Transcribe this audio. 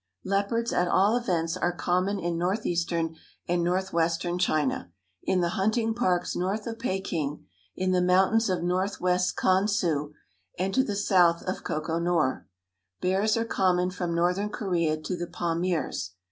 Leopards, at all events, are common in northeastern and northwestern China, in the hunting parks north of Peking, in the mountains of northwest Kan su and to the south of Koko Nor. Bears are common from northern Korea to the Pamirs.